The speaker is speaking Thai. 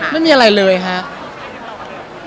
ไม่มีอะไรเลยหา